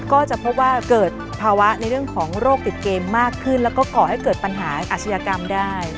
ก็จะพบว่าเกิดภาวะในเรื่องของโรคติดเกมมากขึ้นแล้วก็ก่อให้เกิดปัญหาอาชญากรรมได้